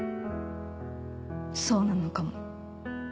そうなのかも。